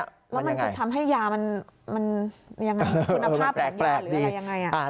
แล้วมันคือทำให้ยามันคุณภาพยาปันยาหรืออะไรยังไง